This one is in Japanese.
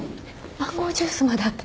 マンゴージュースまであった。